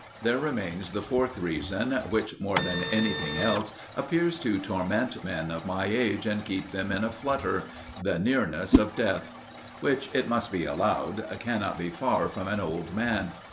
There remains the fourth reason, which more than anything else appears to torment men of my age and keep them in a flutter THE NEARNESS OF DEATH, which, it must be allowed, cannot be far from an old man.